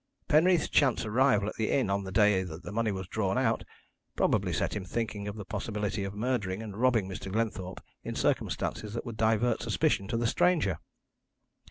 Penreath's chance arrival at the inn on the day that the money was drawn out, probably set him thinking of the possibility of murdering and robbing Mr. Glenthorpe in circumstances that would divert suspicion to the stranger.